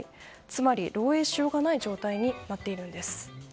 つまり、漏洩しようがない状態になっているんです。